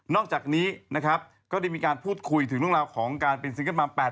อกจากนี้นะครับก็ได้มีการพูดคุยถึงเรื่องราวของการเป็นซิงเกิ้ลมัม๘๐